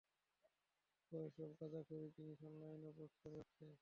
ও এসব গাঁজাখুরি জিনিস অনলাইনেও পোস্ট করে আসছে।